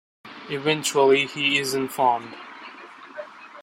Eventually he is informed.